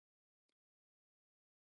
احمدشاه بابا د افغان تاریخ رڼا ده.